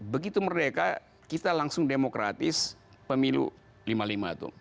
begitu merdeka kita langsung demokratis pemilu lima puluh lima itu